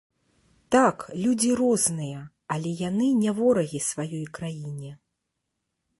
Так, людзі розныя, але яны не ворагі сваёй краіне!